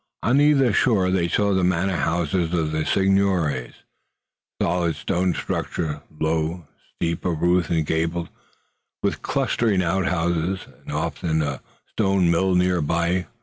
On either shore they saw the manor houses of the seigneurs, solid stone structures, low, steep of roof and gabled, with clustering outhouses, and often a stone mill near by.